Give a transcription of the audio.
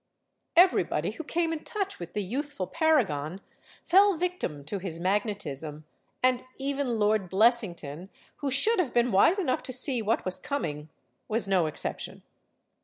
Everybody who came in touch with the youthful paragon fell victim to his magnetism, and even Lord Blessington who 216 STORIES OF THE SUPER WOMEN should have been wise enough to see what was coming was no exception.